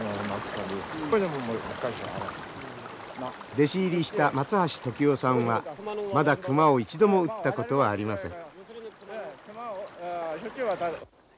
弟子入りした松橋時男さんはまだ熊を一度も撃ったことはありません。